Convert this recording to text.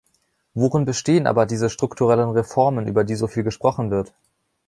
Worin bestehen aber diese strukturellen Reformen, über die so viel gesprochen wird?